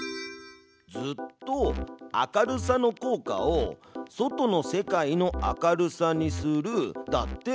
「ずっと」「明るさの効果を『外の世界の明るさ』にする」だって。